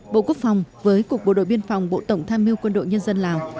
bộ quốc phòng với cục bộ đội biên phòng bộ tổng tham mưu quân đội nhân dân lào